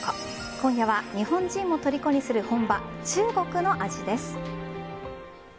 今夜は日本人もとりこにする本場・中国の味です。